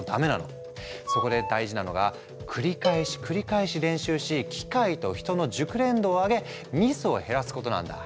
そこで大事なのが繰り返し繰り返し練習し機械と人の熟練度を上げミスを減らすことなんだ。